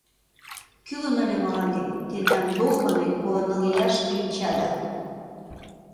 Кӱлын ыле мыланем тендан долбаный коло ныл ияш кленчада!